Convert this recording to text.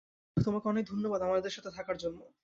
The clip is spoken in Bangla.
আরে, উহ, তোমাকে অনেক ধন্যবাদ আমাদের সাথে থাকার জন্য।